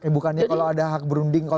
bukannya kalau ada hak berunding